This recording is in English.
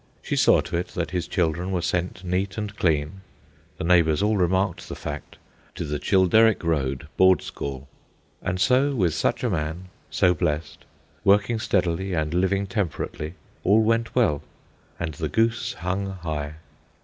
She saw to it that his children were sent neat and clean (the neighbours all remarked the fact) to the Childeric Road Board School. And so, with such a man, so blessed, working steadily and living temperately, all went well, and the goose hung high.